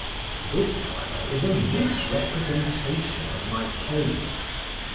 This, however, is a misrepresentation of my case.